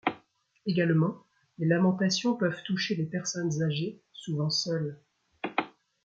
Également, les lamentations peuvent toucher les personnes âgées souvent seules.